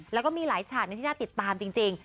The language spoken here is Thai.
แล้วก็มีหลายฉากที่น่าติดตามจริง